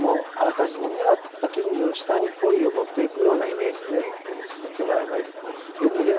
あらかじめねらった金魚の下にポイを持っていく感じですくってもらえばいいんです。